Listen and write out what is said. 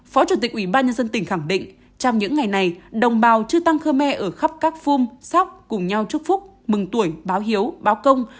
phó chủ tịch ủy ba nhân dân tỉnh khẳng định trong những ngày này đồng bào chư tăng khmer ở khắp các phun sắc cùng nhau chúc phúc mừng tuổi báo hiếu báo công